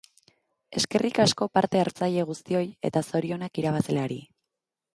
Eskerrik asko parte hartzaile guztioi eta zorionak irabazleari!